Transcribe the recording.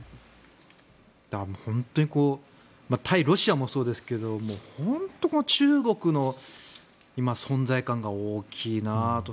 本当に対ロシアもそうですけど本当に中国の今、存在感が大きいなと。